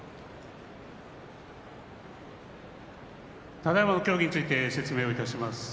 ただいまの協議についてご説明します。